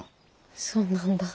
そうなんだ。